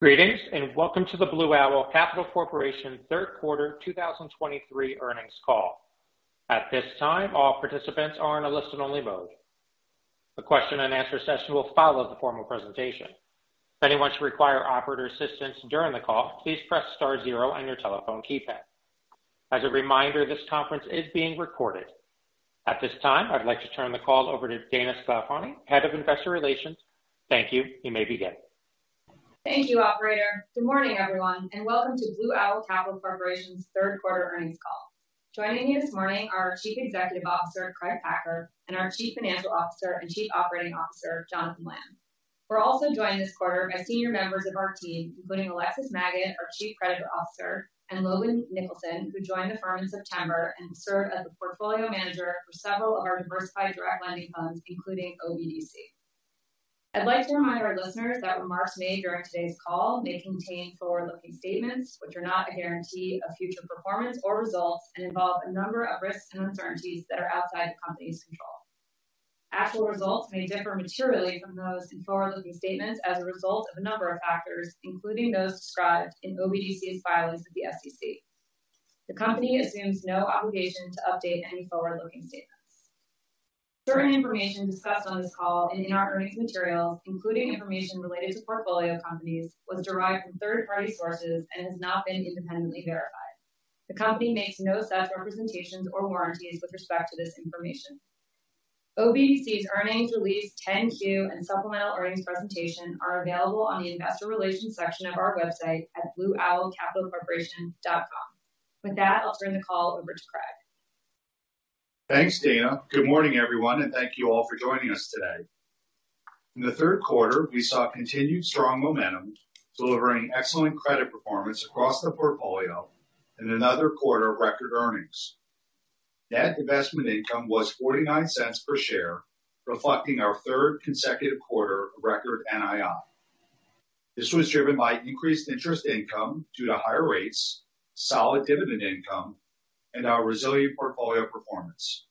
Greetings, and welcome to the Blue Owl Capital Corporation Third Quarter 2023 Earnings Call. At this time, all participants are in a listen-only mode. A question and answer session will follow the formal presentation. If anyone should require operator assistance during the call, please press star zero on your telephone keypad. As a reminder, this conference is being recorded. At this time, I'd like to turn the call over to Dana Sclafani, Head of Investor Relations. Thank you. You may begin. Thank you, operator. Good morning, everyone, and welcome to Blue Owl Capital Corporation's Third Quarter Earnings Call. Joining me this morning are our Chief Executive Officer, Craig Packer, and our Chief Financial Officer and Chief Operating Officer, Jonathan Lamm. We're also joined this quarter by senior members of our team, including Alexis Maged, our Chief Credit Officer, and Logan Nicholson, who joined the firm in September and served as a portfolio manager for several of our diversified direct lending funds, including OBDC. I'd like to remind our listeners that remarks made during today's call may contain forward-looking statements which are not a guarantee of future performance or results and involve a number of risks and uncertainties that are outside the Company's control. Actual results may differ materially from those in forward-looking statements as a result of a number of factors, including those described in OBDC's filings with the SEC. The company assumes no obligation to update any forward-looking statements. Certain information discussed on this call and in our earnings materials, including information related to portfolio companies, was derived from third-party sources and has not been independently verified. The Company makes no such representations or warranties with respect to this information. OBDC's earnings release, 10-Q and supplemental earnings presentation are available on the Investor Relations section of our website at blueowlcapitalcorporation.com. With that, I'll turn the call over to Craig. Thanks, Dana. Good morning, everyone, and thank you all for joining us today. In the third quarter, we saw continued strong momentum, delivering excellent credit performance across the portfolio and another quarter of record earnings. Net investment income was $0.49 per share, reflecting our third consecutive quarter of record NII. This was driven by increased interest income due to higher rates, solid dividend income, and our resilient portfolio performance.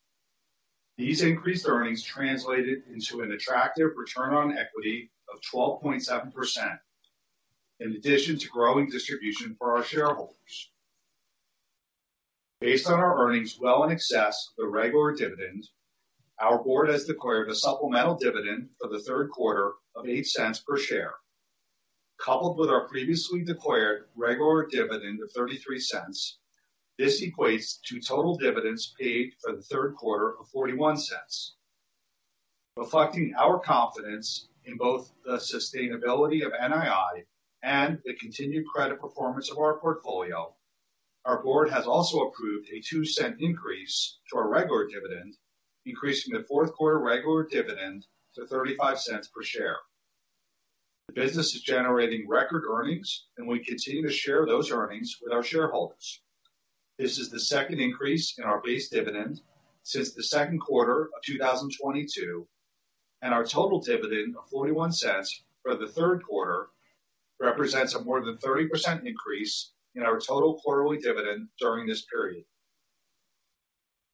These increased earnings translated into an attractive return on equity of 12.7%, in addition to growing distribution for our shareholders. Based on our earnings well in excess of the regular dividend, our board has declared a supplemental dividend for the third quarter of $0.08 per share. Coupled with our previously declared regular dividend of $0.33, this equates to total dividends paid for the third quarter of $0.41. Reflecting our confidence in both the sustainability of NII and the continued credit performance of our portfolio, our board has also approved a $0.02 increase to our regular dividend, increasing the fourth quarter regular dividend to $0.35 per share. The business is generating record earnings, and we continue to share those earnings with our shareholders. This is the second increase in our base dividend since the second quarter of 2022, and our total dividend of $0.41 for the third quarter represents a more than 30% increase in our total quarterly dividend during this period.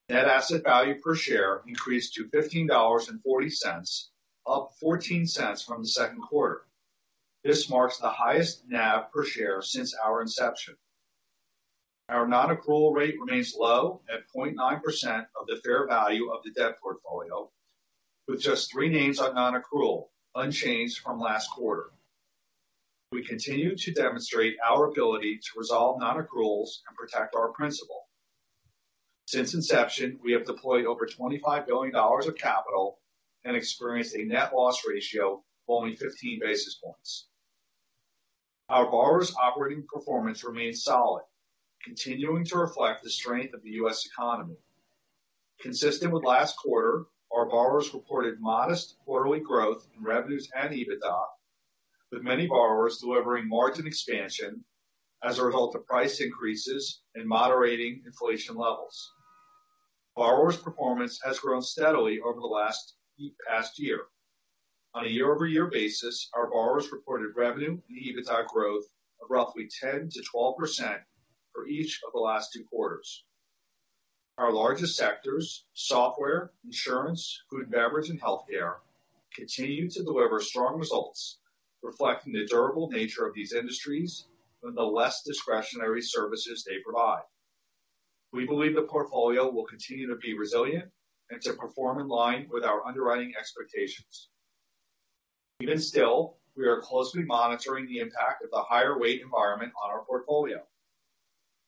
Net asset value per share increased to $15.40, up $0.14 from the second quarter. This marks the highest NAV per share since our inception. Our non-accrual rate remains low at 0.9% of the fair value of the debt portfolio, with just three names on non-accrual, unchanged from last quarter. We continue to demonstrate our ability to resolve non-accruals and protect our principal. Since inception, we have deployed over $25 billion of capital and experienced a net loss ratio of only 15 basis points. Our borrowers' operating performance remains solid, continuing to reflect the strength of the U.S. economy. Consistent with last quarter, our borrowers reported modest quarterly growth in revenues and EBITDA, with many borrowers delivering margin expansion as a result of price increases and moderating inflation levels. Borrowers' performance has grown steadily over the past year. On a year-over-year basis, our borrowers reported revenue and EBITDA growth of roughly 10%-12% for each of the last two quarters. Our largest sectors, software, insurance, food and beverage, and healthcare, continue to deliver strong results reflecting the durable nature of these industries and the less discretionary services they provide. We believe the portfolio will continue to be resilient and to perform in line with our underwriting expectations. Even still, we are closely monitoring the impact of the higher rate environment on our portfolio.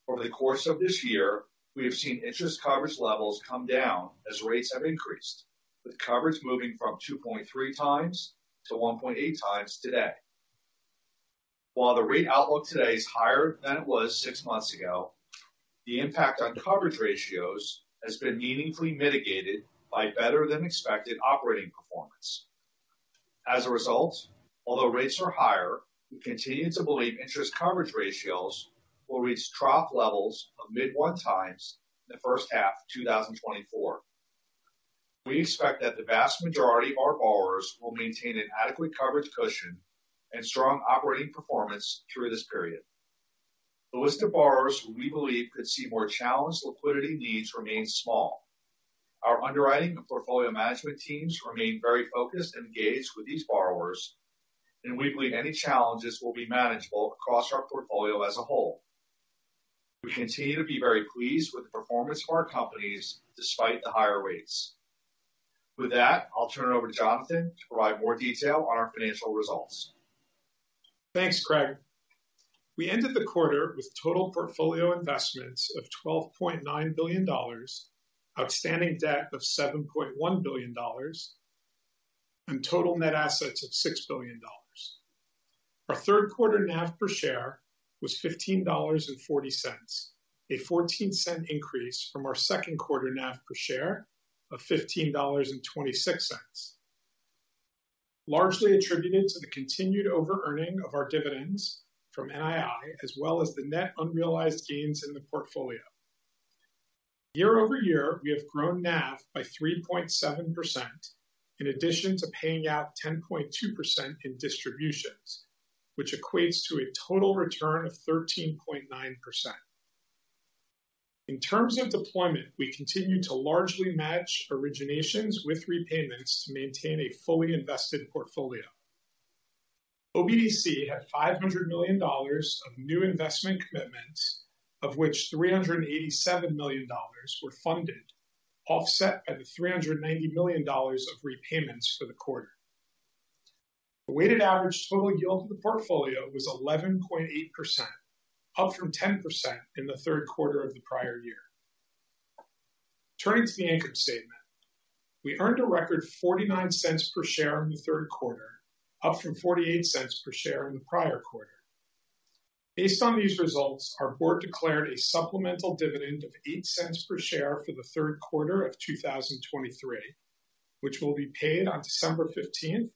Over the course of this year, we have seen interest coverage levels come down as rates have increased, with coverage moving from 2.3x to 1.8x today. While the rate outlook today is higher than it was six months ago, the impact on coverage ratios has been meaningfully mitigated by better-than-expected operating performance. As a result, although rates are higher, we continue to believe interest coverage ratios will reach trough levels of mid-1x in the first half of 2024. We expect that the vast majority of our borrowers will maintain an adequate coverage cushion and strong operating performance through this period.... The list of borrowers we believe could see more challenged liquidity needs remains small. Our underwriting and portfolio management teams remain very focused and engaged with these borrowers, and we believe any challenges will be manageable across our portfolio as a whole. We continue to be very pleased with the performance of our companies despite the higher rates. With that, I'll turn it over to Jonathan to provide more detail on our financial results. Thanks, Craig. We ended the quarter with total portfolio investments of $12.9 billion, outstanding debt of $7.1 billion, and total net assets of $6 billion. Our third quarter NAV per share was $15.40, a $0.14 increase from our second quarter NAV per share of $15.26, largely attributed to the continued over-earning of our dividends from NII, as well as the net unrealized gains in the portfolio. Year-over-year, we have grown NAV by 3.7%, in addition to paying out 10.2% in distributions, which equates to a total return of 13.9%. In terms of deployment, we continue to largely match originations with repayments to maintain a fully invested portfolio. OBDC had $500 million of new investment commitments, of which $387 million were funded, offset by the $390 million of repayments for the quarter. The weighted average total yield of the portfolio was 11.8%, up from 10% in the third quarter of the prior year. Turning to the income statement. We earned a record $0.49 per share in the third quarter, up from $0.48 per share in the prior quarter. Based on these results, our board declared a supplemental dividend of $0.08 per share for the third quarter of 2023, which will be paid on December 15th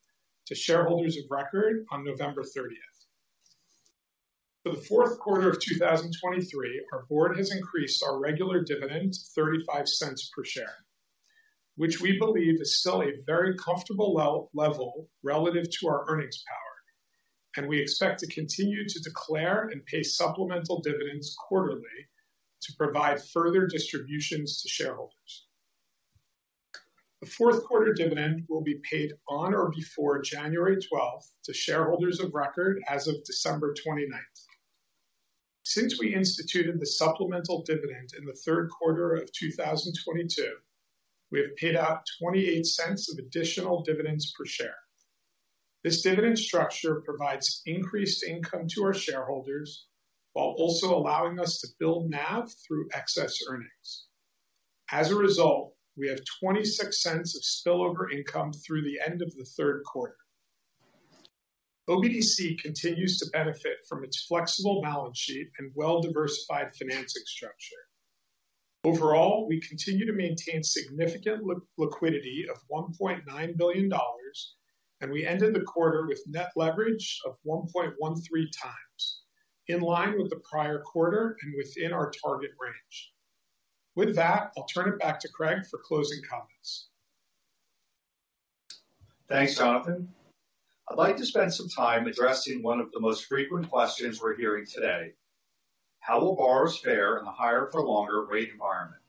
to shareholders of record on November 30th. For the fourth quarter of 2023, our board has increased our regular dividend to $0.35 per share, which we believe is still a very comfortable level relative to our earnings power, and we expect to continue to declare and pay supplemental dividends quarterly to provide further distributions to shareholders. The fourth quarter dividend will be paid on or before January 12th to shareholders of record as of December 29th. Since we instituted the supplemental dividend in the third quarter of 2022, we have paid out $0.28 of additional dividends per share. This dividend structure provides increased income to our shareholders while also allowing us to build NAV through excess earnings. As a result, we have $0.26 of spillover income through the end of the third quarter. OBDC continues to benefit from its flexible balance sheet and well-diversified financing structure. Overall, we continue to maintain significant liquidity of $1.9 billion, and we ended the quarter with net leverage of 1.13x, in line with the prior quarter and within our target range. With that, I'll turn it back to Craig for closing comments. Thanks, Jonathan. I'd like to spend some time addressing one of the most frequent questions we're hearing today: How will borrowers fare in the higher for longer rate environment?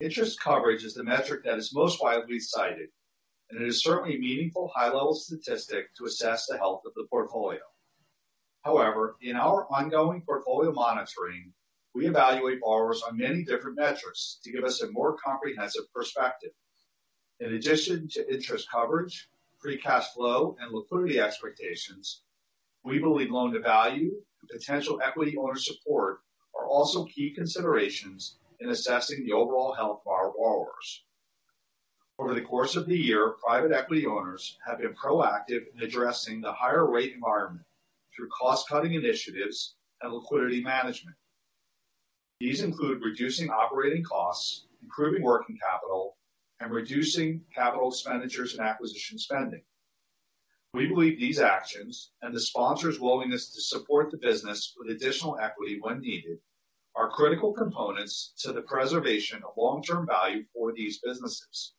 Interest coverage is the metric that is most widely cited, and it is certainly a meaningful high-level statistic to assess the health of the portfolio. However, in our ongoing portfolio monitoring, we evaluate borrowers on many different metrics to give us a more comprehensive perspective. In addition to interest coverage, free cash flow, and liquidity expectations, we believe loan-to-value and potential equity owner support are also key considerations in assessing the overall health of our borrowers. Over the course of the year, private equity owners have been proactive in addressing the higher rate environment through cost-cutting initiatives and liquidity management. These include reducing operating costs, improving working capital, and reducing capital expenditures and acquisition spending. We believe these actions and the sponsor's willingness to support the business with additional equity when needed, are critical components to the preservation of long-term value for these businesses.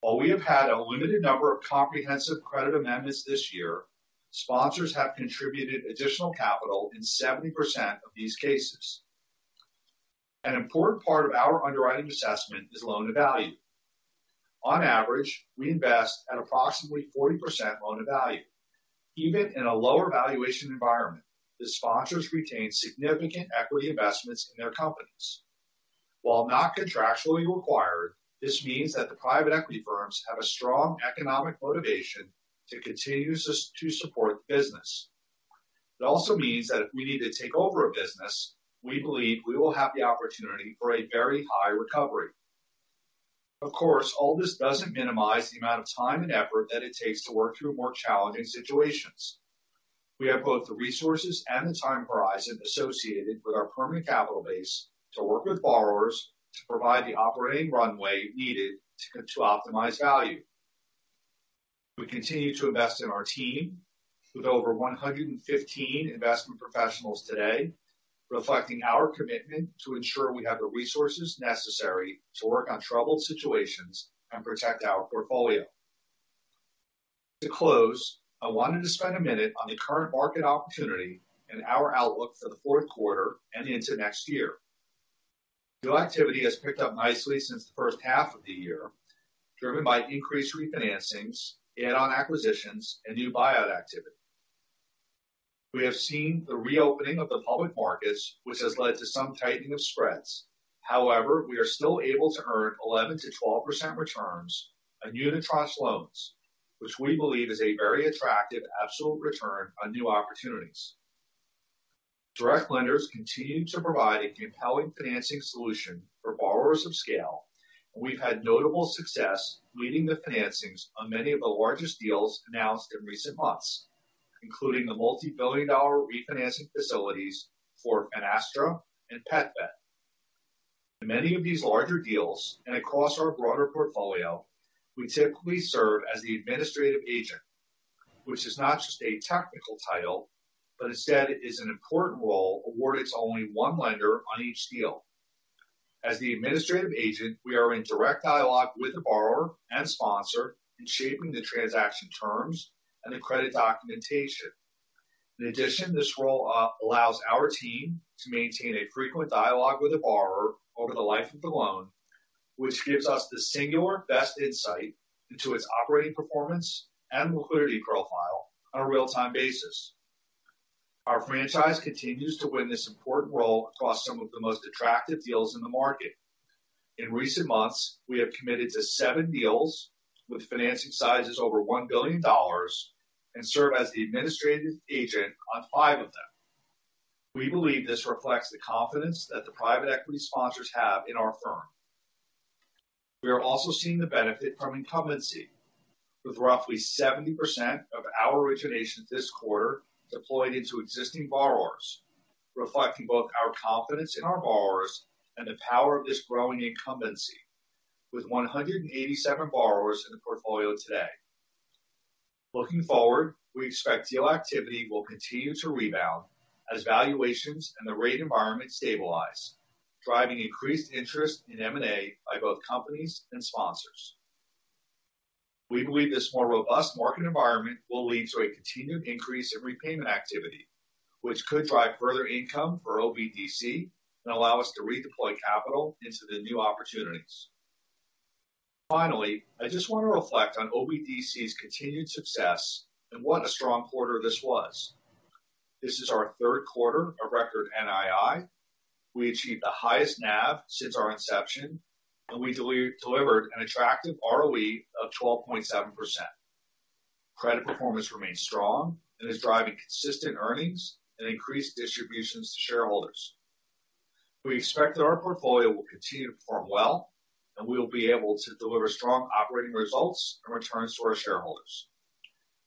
While we have had a limited number of comprehensive credit amendments this year, sponsors have contributed additional capital in 70% of these cases. An important part of our underwriting assessment is loan-to-value. On average, we invest at approximately 40% loan-to-value. Even in a lower valuation environment, the sponsors retain significant equity investments in their companies. While not contractually required, this means that the private equity firms have a strong economic motivation to continue to support the business. It also means that if we need to take over a business, we believe we will have the opportunity for a very high recovery. Of course, all this doesn't minimize the amount of time and effort that it takes to work through more challenging situations. We have both the resources and the time horizon associated with our permanent capital base to work with borrowers to provide the operating runway needed to optimize value. We continue to invest in our team with over 115 investment professionals today, reflecting our commitment to ensure we have the resources necessary to work on troubled situations and protect our portfolio.... To close, I wanted to spend a minute on the current market opportunity and our outlook for the fourth quarter and into next year. Deal activity has picked up nicely since the first half of the year, driven by increased refinancings, add-on acquisitions, and new buyout activity. We have seen the reopening of the public markets, which has led to some tightening of spreads. However, we are still able to earn 11%-12% returns on unitranche loans, which we believe is a very attractive absolute return on new opportunities. Direct lenders continue to provide a compelling financing solution for borrowers of scale. We've had notable success leading the financings on many of the largest deals announced in recent months, including the multi-billion-dollar refinancing facilities for Finastra and PetVet. In many of these larger deals and across our broader portfolio, we typically serve as the administrative agent, which is not just a technical title, but instead is an important role awarded to only one lender on each deal. As the administrative agent, we are in direct dialogue with the borrower and sponsor in shaping the transaction terms and the credit documentation. In addition, this role allows our team to maintain a frequent dialogue with the borrower over the life of the loan, which gives us the singular best insight into its operating performance and liquidity profile on a real-time basis. Our franchise continues to win this important role across some of the most attractive deals in the market. In recent months, we have committed to seven deals with financing sizes over $1 billion, and serve as the administrative agent on five of them. We believe this reflects the confidence that the private equity sponsors have in our firm. We are also seeing the benefit from incumbency, with roughly 70% of our originations this quarter deployed into existing borrowers, reflecting both our confidence in our borrowers and the power of this growing incumbency, with 187 borrowers in the portfolio today. Looking forward, we expect deal activity will continue to rebound as valuations and the rate environment stabilize, driving increased interest in M&A by both companies and sponsors. We believe this more robust market environment will lead to a continued increase in repayment activity, which could drive further income for OBDC and allow us to redeploy capital into the new opportunities. Finally, I just want to reflect on OBDC's continued success and what a strong quarter this was. This is our third quarter of record NII. We achieved the highest NAV since our inception, and we delivered an attractive ROE of 12.7%. Credit performance remains strong and is driving consistent earnings and increased distributions to shareholders. We expect that our portfolio will continue to perform well, and we will be able to deliver strong operating results and returns to our shareholders.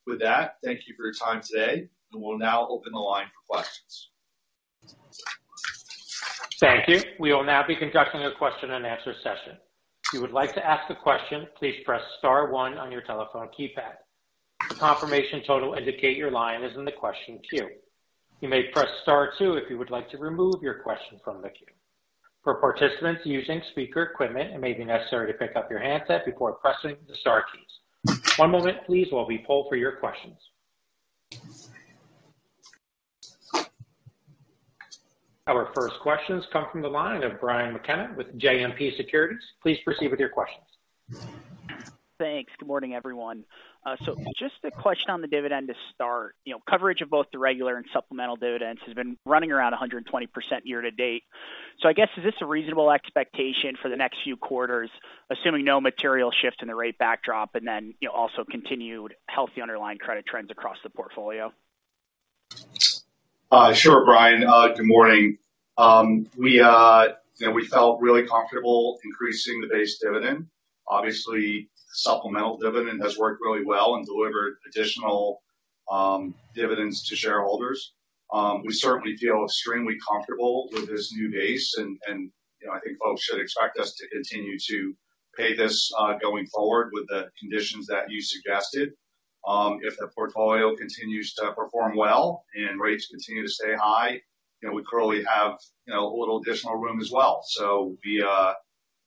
With that, thank you for your time today, and we'll now open the line for questions. Thank you. We will now be conducting a question and answer session. If you would like to ask a question, please press star one on your telephone keypad. A confirmation tone will indicate your line is in the question queue. You may press star two if you would like to remove your question from the queue. For participants using speaker equipment, it may be necessary to pick up your handset before pressing the star keys. One moment, please, while we poll for your questions. Our first questions come from the line of Brian McKenna with JMP Securities. Please proceed with your questions. Thanks. Good morning, everyone. So just a question on the dividend to start. You know, coverage of both the regular and supplemental dividends has been running around 100% year to date. So I guess, is this a reasonable expectation for the next few quarters, assuming no material shift in the rate backdrop, and then, you know, also continued healthy underlying credit trends across the portfolio? Sure, Brian. Good morning. We, you know, we felt really comfortable increasing the base dividend. Obviously, supplemental dividend has worked really well and delivered additional dividends to shareholders. We certainly feel extremely comfortable with this new base, and, you know, I think folks should expect us to continue to pay this going forward with the conditions that you suggested. If the portfolio continues to perform well and rates continue to stay high, you know, we currently have, you know, a little additional room as well. So we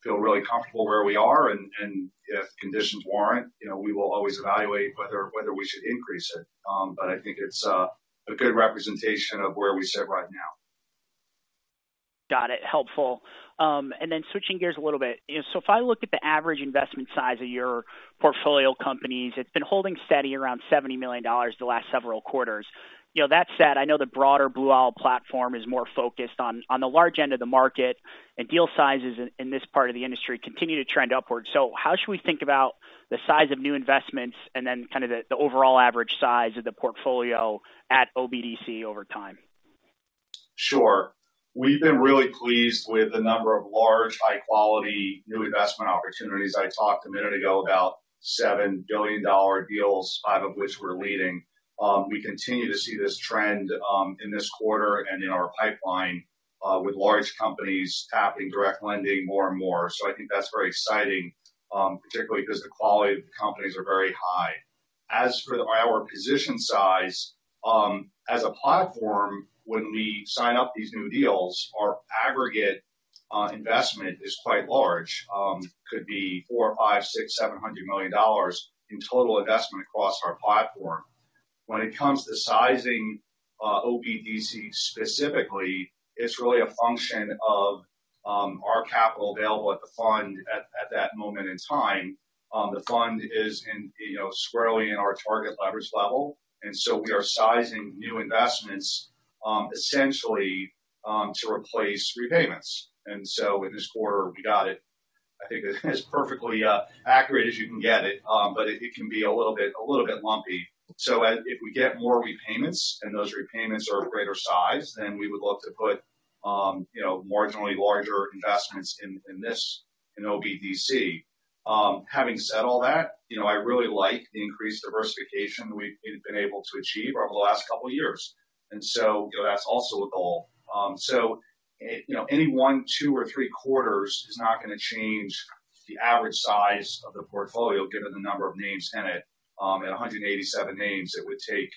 feel really comfortable where we are, and if conditions warrant, you know, we will always evaluate whether we should increase it. But I think it's a good representation of where we sit right now. Got it. Helpful. And then switching gears a little bit. So if I look at the average investment size of your portfolio companies, it's been holding steady around $70 million the last several quarters. You know, that said, I know the broader Blue Owl platform is more focused on the large end of the market, and deal sizes in this part of the industry continue to trend upwards. So how should we think about the size of new investments and then kind of the overall average size of the portfolio at OBDC over time? Sure. We've been really pleased with the number of large, high-quality, new investment opportunities. I talked a minute ago about $7 billion deals, five of which we're leading. We continue to see this trend in this quarter and in our pipeline with large companies tapping direct lending more and more. So I think that's very exciting, particularly because the quality of the companies are very high. As for our position size, as a platform, when we sign up these new deals, our aggregate investment is quite large, could be $400 million-$700 million in total investment across our platform. When it comes to sizing, OBDC specifically, it's really a function of our capital available at the fund at that moment in time. The fund is in, you know, squarely in our target leverage level, and so we are sizing new investments, essentially, to replace repayments. And so in this quarter, we got it. I think as perfectly, accurate as you can get it, but it, it can be a little bit, a little bit lumpy. So if we get more repayments and those repayments are of greater size, then we would look to put, you know, marginally larger investments in, in this, in OBDC. Having said all that, you know, I really like the increased diversification we've, we've been able to achieve over the last couple of years, and so, you know, that's also a goal. So, it, you know, any one, two, or three quarters is not going to change the average size of the portfolio, given the number of names in it. At 187 names, it would take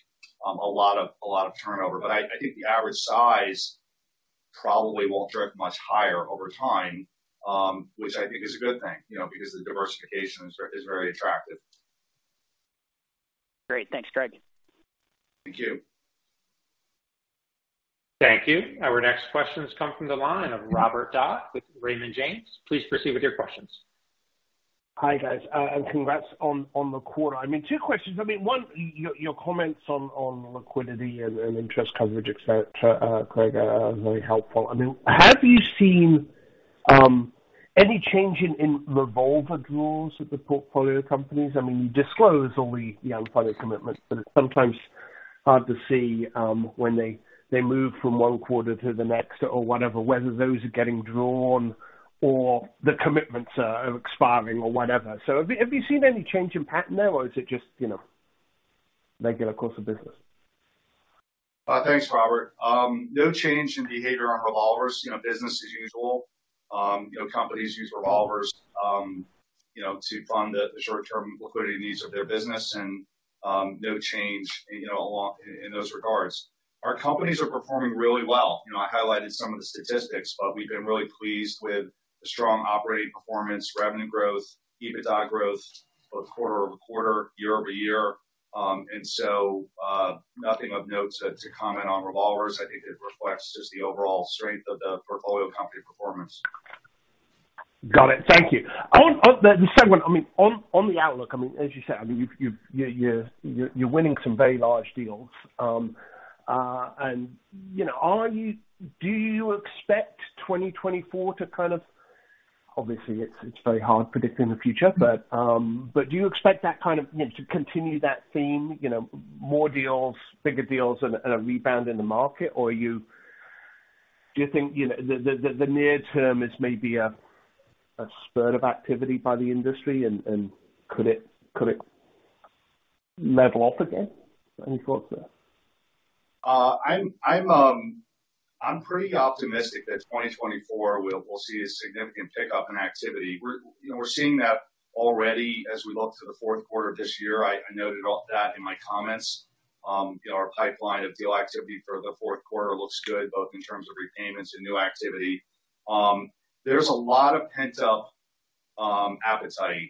a lot of, a lot of turnover. But I, I think the average size probably won't drift much higher over time, which I think is a good thing, you know, because the diversification is, is very attractive. Great. Thanks, Craig. Thank you. Thank you. Our next question has come from the line of Robert Dodd with Raymond James. Please proceed with your questions. Hi, guys, and congrats on the quarter. I mean, two questions. I mean, one, your comments on liquidity and interest coverage, et cetera, Craig, are very helpful. I mean, have you seen any change in revolver draws at the portfolio companies? I mean, you disclose all the unfunded commitments, but it's sometimes hard to see when they move from one quarter to the next or whatever, whether those are getting drawn or the commitments are expiring or whatever. So have you seen any change in pattern there, or is it just, you know, regular course of business? Thanks, Robert. No change in behavior on revolvers, you know, business as usual. You know, companies use revolvers, you know, to fund the short-term liquidity needs of their business and, no change, you know, along in those regards. Our companies are performing really well. You know, I highlighted some of the statistics, but we've been really pleased with the strong operating performance, revenue growth, EBITDA growth, both quarter-over-quarter, year-over-year. And so, nothing of note to comment on revolvers. I think it reflects just the overall strength of the portfolio company performance. Got it. Thank you. On the second one, I mean, on the outlook, I mean, as you said, I mean, you've you're winning some very large deals. And, you know, are you—do you expect 2024 to kind of... Obviously, it's very hard predicting the future, but do you expect that kind of, you know, to continue that theme, you know, more deals, bigger deals and a rebound in the market? Or do you think, you know, the near term is maybe a spurt of activity by the industry and could it level off again? Any thoughts there? I'm pretty optimistic that 2024, we'll see a significant pickup in activity. We're, you know, we're seeing that already as we look to the fourth quarter of this year. I noted all that in my comments. You know, our pipeline of deal activity for the fourth quarter looks good, both in terms of repayments and new activity. There's a lot of pent-up appetite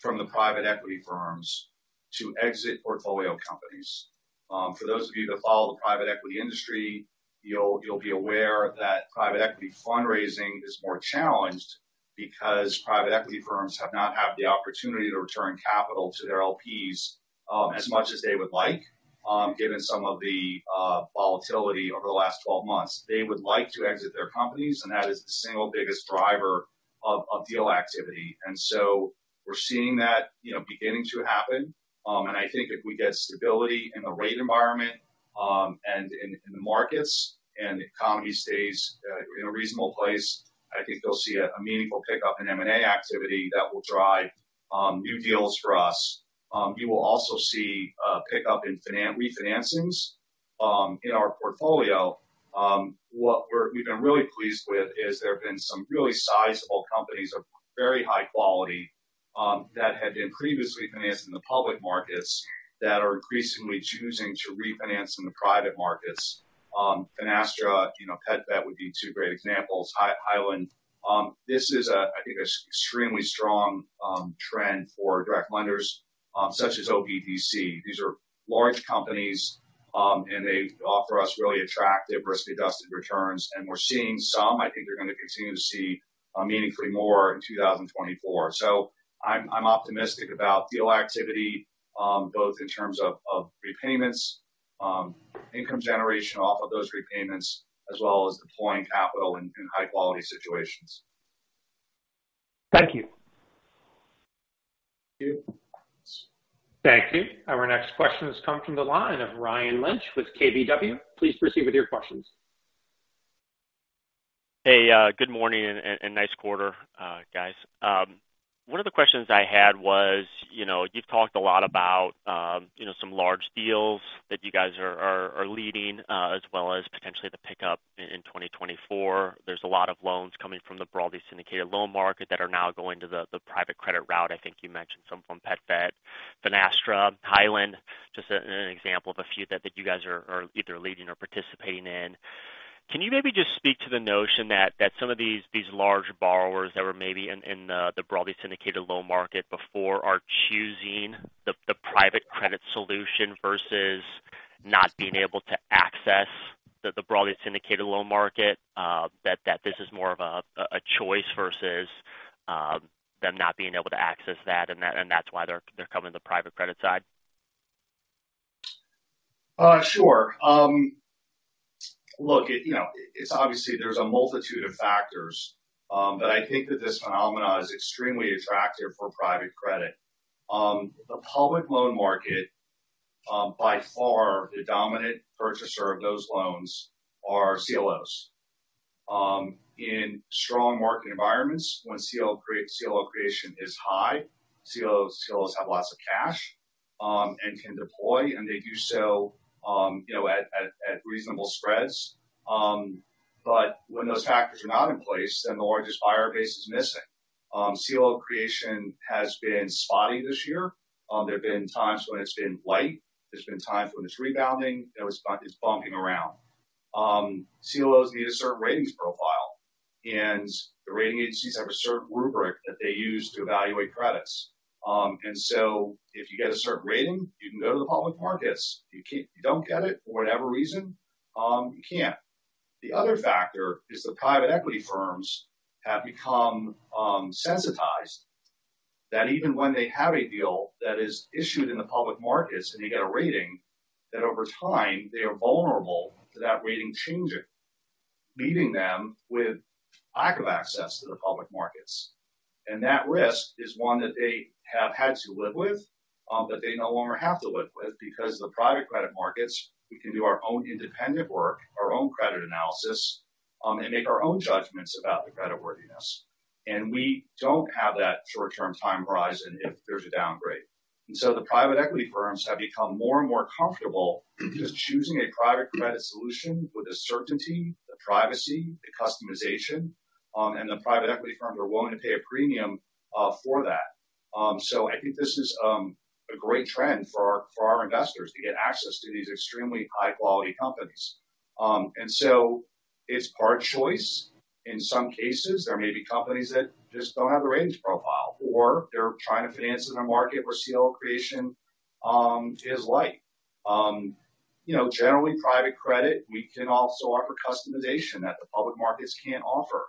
from the private equity firms to exit portfolio companies. For those of you that follow the private equity industry, you'll be aware that private equity fundraising is more challenged because private equity firms have not had the opportunity to return capital to their LPs, as much as they would like, given some of the volatility over the last 12 months. They would like to exit their companies, and that is the single biggest driver of deal activity. And so we're seeing that, you know, beginning to happen. And I think if we get stability in the rate environment, and in the markets, and the economy stays in a reasonable place, I think you'll see a meaningful pickup in M&A activity that will drive new deals for us. You will also see a pickup in refinancings in our portfolio. What we've been really pleased with is there have been some really sizable companies of very high quality that had been previously financed in the public markets, that are increasingly choosing to refinance in the private markets. Finastra, you know, PetVet would be two great examples. Hyland. This is a, I think, extremely strong trend for direct lenders such as OBDC. These are large companies, and they offer us really attractive risk-adjusted returns, and we're seeing some. I think we're going to continue to see meaningfully more in 2024. So I'm optimistic about deal activity, both in terms of repayments, income generation off of those repayments, as well as deploying capital in high-quality situations. Thank you. Thank you. Thank you. Our next question has come from the line of Ryan Lynch with KBW. Please proceed with your questions. Hey, good morning and nice quarter, guys. One of the questions I had was, you know, you've talked a lot about, you know, some large deals that you guys are leading, as well as potentially the pickup in 2024. There's a lot of loans coming from the broadly syndicated loan market that are now going to the private credit route. I think you mentioned some from PetVet, Finastra, Hyland, just an example of a few that you guys are either leading or participating in.... Can you maybe just speak to the notion that some of these large borrowers that were maybe in the broadly syndicated loan market before are choosing the private credit solution versus not being able to access the broadly syndicated loan market, that this is more of a choice versus them not being able to access that, and that's why they're coming to the private credit side? Sure. Look, you know, it's obviously there's a multitude of factors, but I think that this phenomenon is extremely attractive for private credit. The public loan market, by far the dominant purchaser of those loans are CLOs. In strong market environments, when CLO creation is high, CLOs, CLOs have lots of cash, and can deploy, and they do so, you know, at reasonable spreads. But when those factors are not in place, then the largest buyer base is missing. CLO creation has been spotty this year. There have been times when it's been light, there's been times when it's rebounding, it's bumping around. CLOs need a certain ratings profile, and the rating agencies have a certain rubric that they use to evaluate credits. And so if you get a certain rating, you can go to the public markets. If you can't, you don't get it for whatever reason, you can't. The other factor is the private equity firms have become sensitized that even when they have a deal that is issued in the public markets, and you get a rating, that over time, they are vulnerable to that rating changing, leaving them with lack of access to the public markets. And that risk is one that they have had to live with, but they no longer have to live with, because the private credit markets, we can do our own independent work, our own credit analysis, and make our own judgments about the creditworthiness. And we don't have that short-term time horizon if there's a downgrade. So the private equity firms have become more and more comfortable just choosing a private credit solution with the certainty, the privacy, the customization, and the private equity firms are willing to pay a premium for that. So I think this is a great trend for our investors to get access to these extremely high-quality companies. And so it's part choice. In some cases, there may be companies that just don't have the ratings profile, or they're trying to finance in a market where CLO creation is light. You know, generally, private credit, we can also offer customization that the public markets can't offer.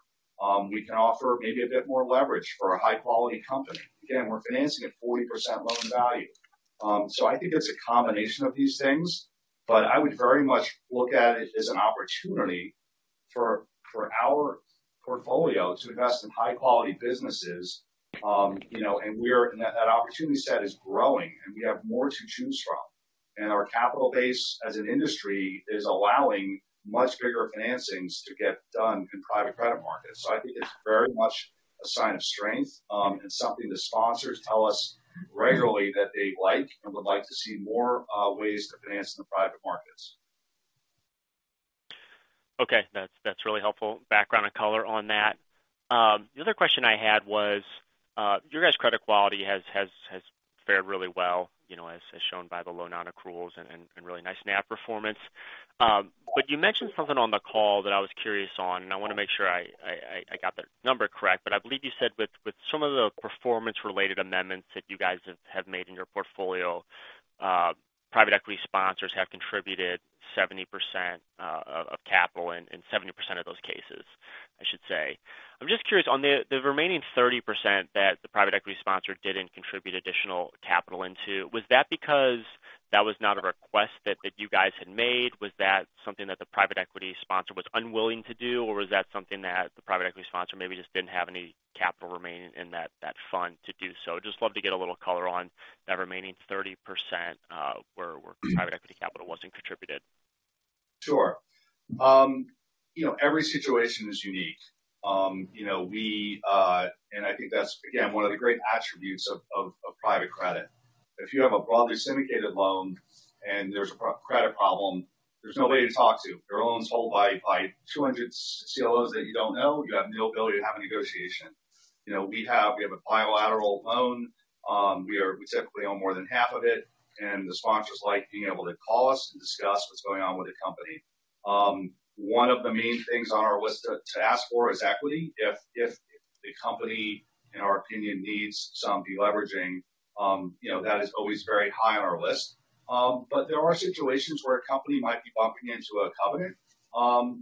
We can offer maybe a bit more leverage for a high-quality company. Again, we're financing at 40% loan value. So I think it's a combination of these things, but I would very much look at it as an opportunity for our portfolio to invest in high-quality businesses. You know, and that opportunity set is growing, and we have more to choose from. And our capital base, as an industry, is allowing much bigger financings to get done in private credit markets. So I think it's very much a sign of strength, and something the sponsors tell us regularly that they like and would like to see more ways to finance in the private markets. Okay, that's, that's really helpful background and color on that. The other question I had was, your guys' credit quality has fared really well, you know, as shown by the low non-accruals and really nice NII performance. But you mentioned something on the call that I was curious on, and I want to make sure I got the number correct, but I believe you said with some of the performance-related amendments that you guys have made in your portfolio, private equity sponsors have contributed 70%, of capital in 70% of those cases, I should say. I'm just curious, on the remaining 30% that the private equity sponsor didn't contribute additional capital into, was that because that was not a request that you guys had made? Was that something that the private equity sponsor was unwilling to do, or was that something that the private equity sponsor maybe just didn't have any capital remaining in that, that fund to do so? Just love to get a little color on that remaining 30%, where private equity capital wasn't contributed. Sure. You know, every situation is unique. You know, we and I think that's, again, one of the great attributes of private credit. If you have a broadly syndicated loan and there's a credit problem, there's nobody to talk to. Your loan's held by 200 CLOs that you don't know, you have no ability to have a negotiation. You know, we have a bilateral loan. We are. We typically own more than half of it, and the sponsors like being able to call us and discuss what's going on with the company. One of the main things on our list to ask for is equity. If the company, in our opinion, needs some deleveraging, you know, that is always very high on our list. But there are situations where a company might be bumping into a covenant,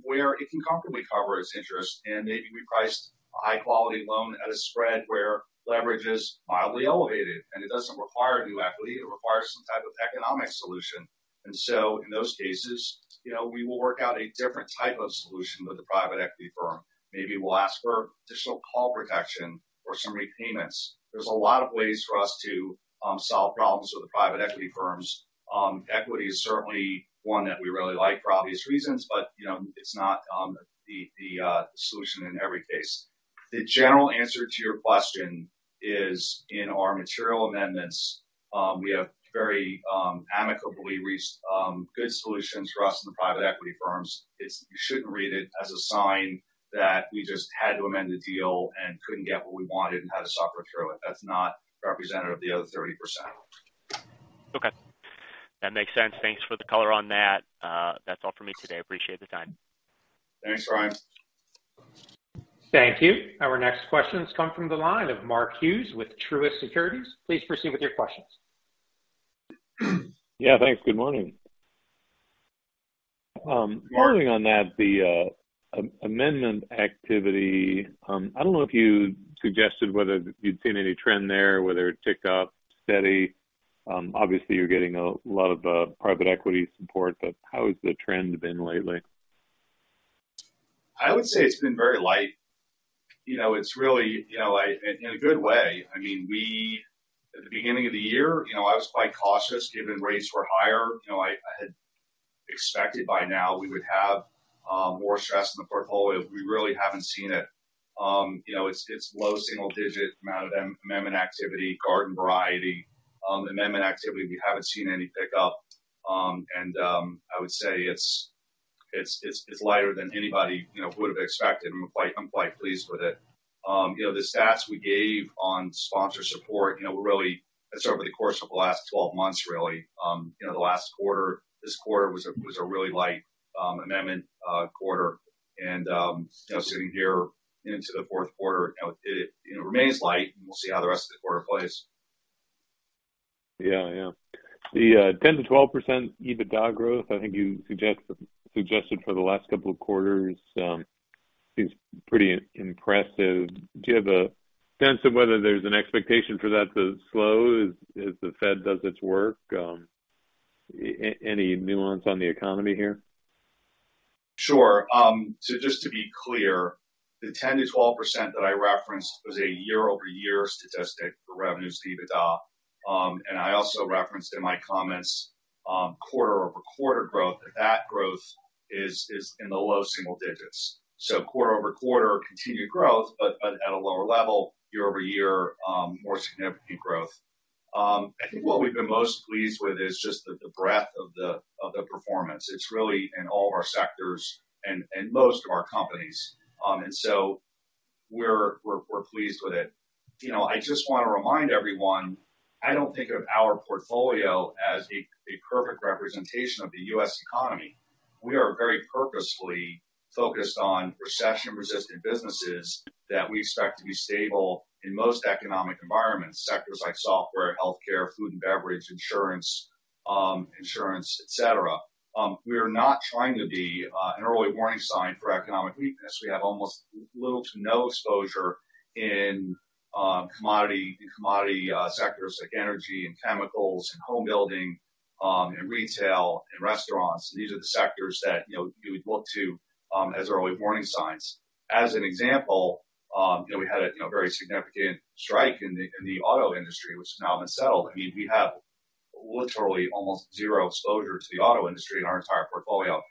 where it can comfortably cover its interest, and maybe we priced a high-quality loan at a spread where leverage is mildly elevated, and it doesn't require new equity, it requires some type of economic solution. And so in those cases, you know, we will work out a different type of solution with the private equity firm. Maybe we'll ask for additional call protection or some repayments. There's a lot of ways for us to solve problems with the private equity firms. Equity is certainly one that we really like for obvious reasons, but, you know, it's not the solution in every case. The general answer to your question is, in our material amendments, we have very, amicably reached, good solutions for us and the private equity firms. It's. You shouldn't read it as a sign that we just had to amend the deal and couldn't get what we wanted and had to suffer through it. That's not representative of the other 30%.... Okay, that makes sense. Thanks for the color on that. That's all for me today. I appreciate the time. Thanks, Ryan. Thank you. Our next question has come from the line of Mark Hughes with Truist Securities. Please proceed with your questions. Yeah, thanks. Good morning. Following on that, the amendment activity, I don't know if you suggested whether you'd seen any trend there, whether it ticked up, steady. Obviously, you're getting a lot of private equity support, but how has the trend been lately? I would say it's been very light. You know, it's really, you know, like, in a good way. I mean, at the beginning of the year, you know, I was quite cautious, given rates were higher. You know, I had expected by now we would have more stress in the portfolio. We really haven't seen it. You know, it's low single digit amount of amendment activity, garden variety. Amendment activity, we haven't seen any pickup. And I would say it's lighter than anybody, you know, would have expected. I'm quite pleased with it. You know, the stats we gave on sponsor support, you know, really, it's over the course of the last 12 months, really. You know, the last quarter, this quarter was a really light amendment quarter. You know, sitting here into the fourth quarter, you know, it remains light, and we'll see how the rest of the quarter plays. Yeah. Yeah. The 10%-12% EBITDA growth, I think you suggested for the last couple of quarters, seems pretty impressive. Do you have a sense of whether there's an expectation for that to slow as the Fed does its work? Any nuance on the economy here? Sure. So just to be clear, the 10%-12% that I referenced was a year-over-year statistic for revenues to EBITDA. And I also referenced in my comments, quarter-over-quarter growth, that growth is in the low single digits. So quarter-over-quarter, continued growth, but at a lower level, year-over-year, more significant growth. I think what we've been most pleased with is just the breadth of the performance. It's really in all of our sectors and most of our companies. And so we're pleased with it. You know, I just want to remind everyone, I don't think of our portfolio as a perfect representation of the U.S. economy. We are very purposefully focused on recession-resistant businesses that we expect to be stable in most economic environments, sectors like software, healthcare, food and beverage, insurance, et cetera. We are not trying to be an early warning sign for economic weakness. We have almost little to no exposure in commodity sectors like energy and chemicals and home building, and retail and restaurants. These are the sectors that, you know, you would look to as early warning signs. As an example, you know, we had a very significant strike in the auto industry, which has now been settled. I mean, we have literally almost zero exposure to the auto industry in our entire portfolio.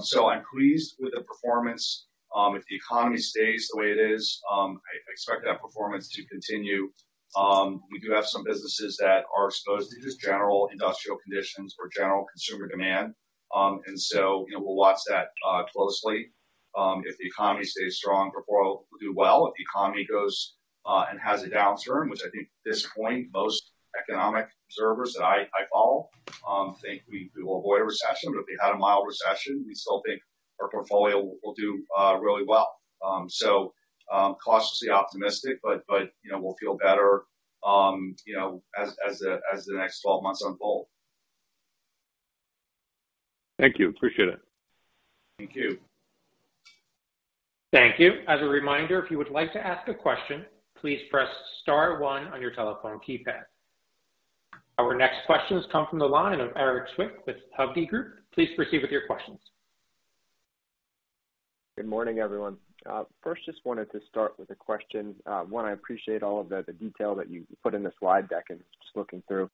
So I'm pleased with the performance. If the economy stays the way it is, I expect that performance to continue. We do have some businesses that are exposed to just general industrial conditions or general consumer demand. And so, you know, we'll watch that closely. If the economy stays strong, the portfolio will do well. If the economy goes and has a downturn, which I think at this point, most economic observers that I follow think we will avoid a recession. But if we had a mild recession, we still think our portfolio will do really well. So, cautiously optimistic, but, you know, we'll feel better, you know, as the next 12 months unfold. Thank you. Appreciate it. Thank you. Thank you. As a reminder, if you would like to ask a question, please press star one on your telephone keypad. Our next question has come from the line of Erik Zwick with Hovde Group. Please proceed with your questions. Good morning, everyone. First, just wanted to start with a question. One, I appreciate all of the detail that you put in the slide deck and just looking through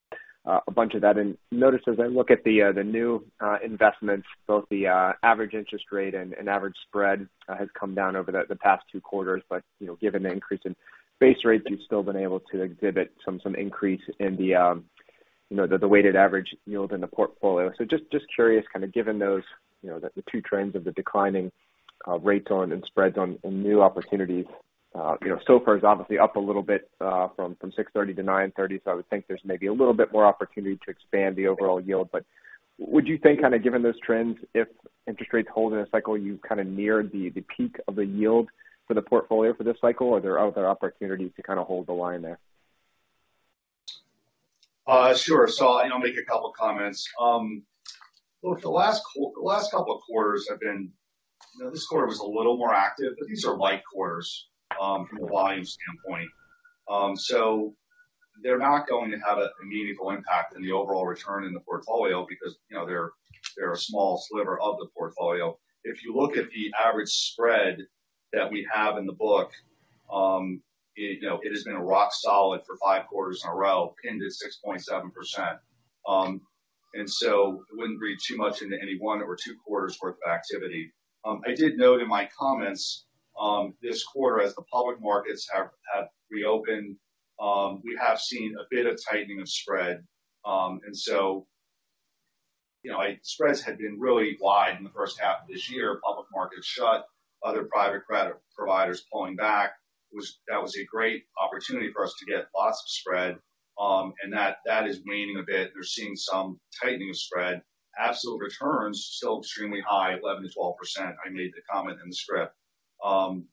a bunch of that. And noticed as I look at the new investments, both the average interest rate and average spread has come down over the past two quarters. But you know, given the increase in base rates, you've still been able to exhibit some increase in the weighted average yield in the portfolio. So just curious, kind of given those you know, the two trends of the declining rates on and spreads on new opportunities, you know, so far is obviously up a little bit from 6.30 to 9.30. So I would think there's maybe a little bit more opportunity to expand the overall yield. But would you think, kind of, given those trends, if interest rates hold in a cycle, you've kind of neared the, the peak of the yield for the portfolio for this cycle, or are there other opportunities to kind of hold the line there? Sure. So I'll make a couple comments. The last couple of quarters have been... You know, this quarter was a little more active, but these are light quarters from a volume standpoint. So they're not going to have a meaningful impact in the overall return in the portfolio because, you know, they're, they're a small sliver of the portfolio. If you look at the average spread that we have in the book, it, you know, it has been rock solid for five quarters in a row, pinned to 6.7%. And so I wouldn't read too much into any one or two quarters worth of activity. I did note in my comments this quarter, as the public markets have, have reopened, we have seen a bit of tightening of spread, and so-... You know, spreads had been really wide in the first half of this year. Public markets shut, other private credit providers pulling back. That was a great opportunity for us to get lots of spread, and that is waning a bit. We're seeing some tightening of spread. Absolute returns, still extremely high, 11%-12%. I made the comment in the script.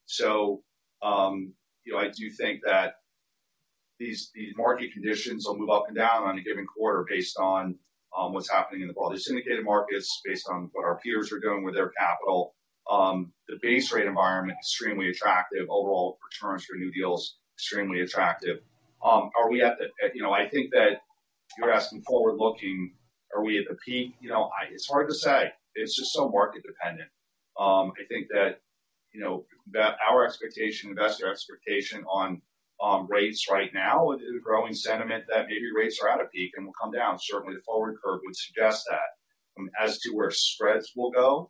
So, you know, I do think that these market conditions will move up and down on a given quarter based on what's happening in the broader syndicated markets, based on what our peers are doing with their capital. The base rate environment, extremely attractive. Overall returns for new deals, extremely attractive. Are we at the, you know, I think that you're asking forward-looking, are we at the peak? You know, it's hard to say. It's just so market dependent. I think that, you know, that our expectation, investor expectation on rates right now is a growing sentiment that maybe rates are at a peak and will come down. Certainly, the forward curve would suggest that. As to where spreads will go,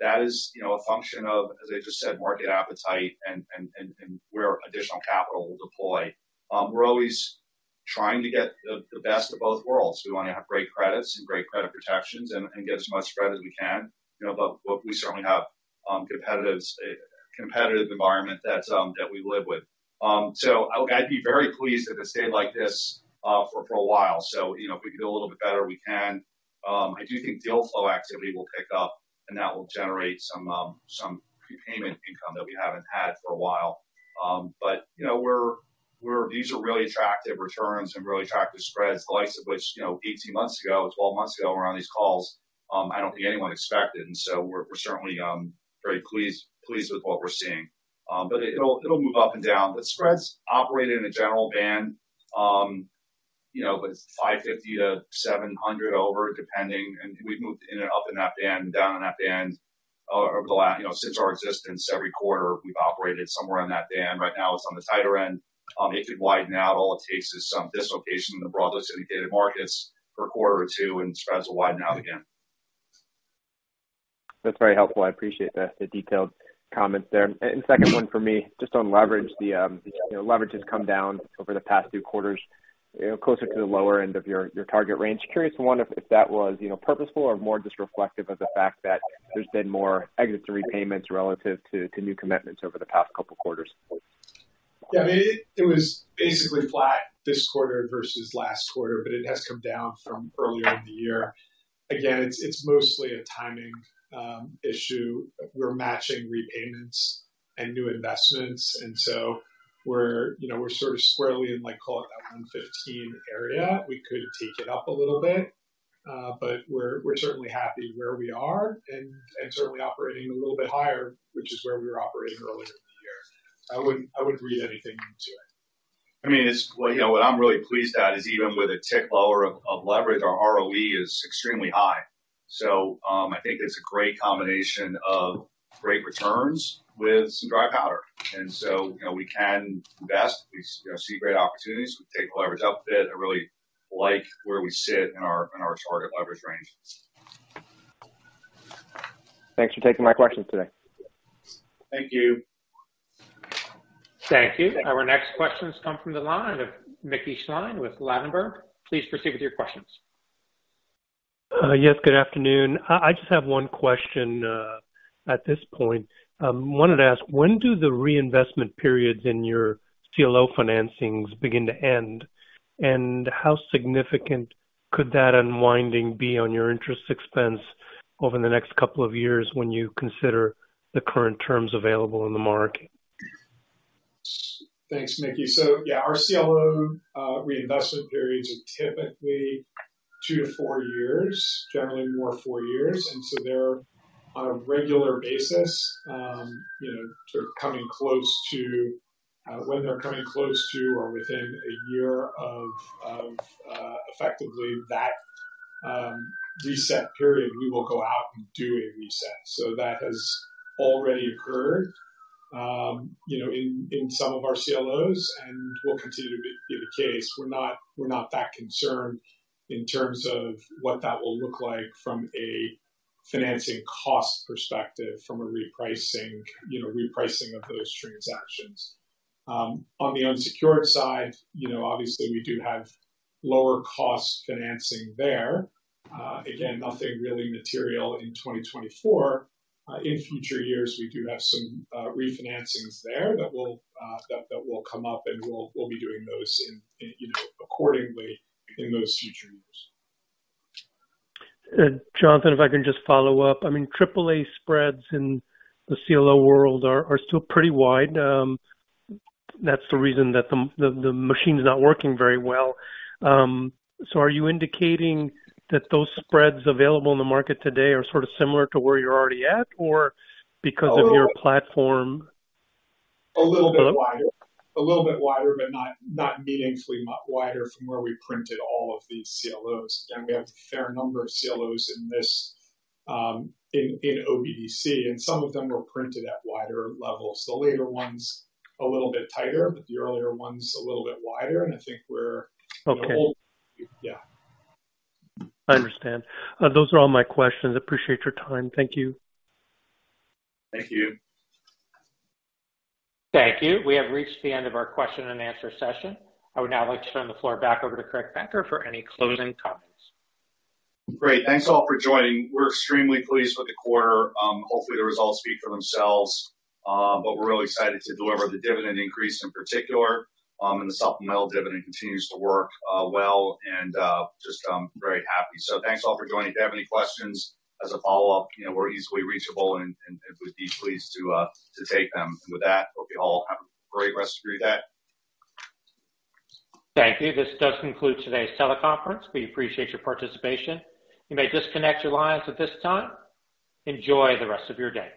that is, you know, a function of, as I just said, market appetite and where additional capital will deploy. We're always trying to get the best of both worlds. We want to have great credits and great credit protections and get as much spread as we can. You know, but we certainly have competitive environment that we live with. So I, I'd be very pleased if it stayed like this for a while. So, you know, if we can do a little bit better, we can. I do think deal flow activity will pick up, and that will generate some prepayment income that we haven't had for a while. But, you know, we're. These are really attractive returns and really attractive spreads, the likes of which, you know, 18 months ago, 12 months ago, around these calls, I don't think anyone expected. And so we're certainly very pleased with what we're seeing. But it'll move up and down. But spreads operate in a general band, you know, with 550-700 over, depending, and we've moved in and up in that band, down in that band over the last, you know, since our existence, every quarter, we've operated somewhere in that band. Right now, it's on the tighter end. It could widen out. All it takes is some dislocation in the broader syndicated markets for a quarter or two, and spreads will widen out again. That's very helpful. I appreciate the, the detailed comments there. And second one for me, just on leverage. The, you know, leverage has come down over the past two quarters, you know, closer to the lower end of your, your target range. Curious to wonder if, if that was, you know, purposeful or more just reflective of the fact that there's been more exits and repayments relative to, to new commitments over the past couple of quarters? Yeah, it was basically flat this quarter versus last quarter, but it has come down from earlier in the year. Again, it's mostly a timing issue. We're matching repayments and new investments, and so, you know, we're sort of squarely in, like, call it that 115 area. We could take it up a little bit, but we're certainly happy where we are and certainly operating a little bit higher, which is where we were operating earlier in the year. I wouldn't read anything into it. I mean, it's, well, you know, what I'm really pleased at is even with a tick lower of, of leverage, our ROE is extremely high. So, I think it's a great combination of great returns with some dry powder. And so, you know, we can invest. We, you know, see great opportunities. We take the leverage up a bit. I really like where we sit in our, in our target leverage range. Thanks for taking my questions today. Thank you. Thank you. Our next question has come from the line of Mickey Schleien with Ladenburg. Please proceed with your questions. Yes, good afternoon. I just have one question at this point. Wanted to ask, when do the reinvestment periods in your CLO financings begin to end? And how significant could that unwinding be on your interest expense over the next couple of years when you consider the current terms available in the market? Thanks, Mickey. So yeah, our CLO reinvestment periods are typically two to four years, generally more four years, and so they're on a regular basis. You know, sort of coming close to when they're coming close to or within a year of effectively that reset period, we will go out and do a reset. So that has already occurred, you know, in some of our CLOs, and will continue to be the case. We're not that concerned in terms of what that will look like from a financing cost perspective, from a repricing, you know, repricing of those transactions. On the unsecured side, you know, obviously, we do have lower-cost financing there. Again, nothing really material in 2024. In future years, we do have some refinancings there that will come up, and we'll be doing those in, you know, accordingly in those future years. Jonathan, if I can just follow up. I mean, AAA spreads in the CLO world are still pretty wide. That's the reason that the machine is not working very well. So are you indicating that those spreads available in the market today are sort of similar to where you're already at, or because of your platform? A little bit wider. A little bit wider, but not, not meaningfully much wider from where we printed all of these CLOs. Again, we have a fair number of CLOs in this, OBDC, and some of them were printed at wider levels. The later ones, a little bit tighter, but the earlier ones, a little bit wider, and I think we're- Okay. Yeah. I understand. Those are all my questions. Appreciate your time. Thank you. Thank you. Thank you. We have reached the end of our question and answer session. I would now like to turn the floor back over to Craig Packer for any closing comments. Great. Thanks, all, for joining. We're extremely pleased with the quarter. Hopefully, the results speak for themselves. But we're really excited to deliver the dividend increase in particular, and the supplemental dividend continues to work well, and just, I'm very happy. So thanks, all, for joining. If you have any questions as a follow-up, you know, we're easily reachable and we'd be pleased to take them. And with that, hope you all have a great rest of your day. Thank you. This does conclude today's teleconference. We appreciate your participation. You may disconnect your lines at this time. Enjoy the rest of your day.